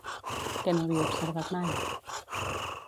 Què no havia observat mai?